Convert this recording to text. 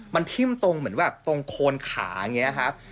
มันทิ่มตรงเหมือนแบบตรงโคนขาอย่างนี้ครับ